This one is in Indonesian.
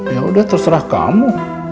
yaudah terserah kamu